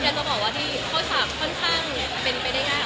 อยากจะบอกว่าที่เขาถามค่อนข้างเป็นไปได้ง่าย